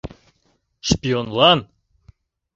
Шпионлан?